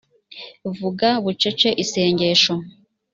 vuga bucece isengesho